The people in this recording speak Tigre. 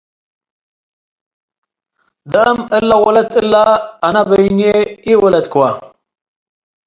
ደአም፣ እለ ወለት እለ አነ በይንዬ ኢወለድክወ ።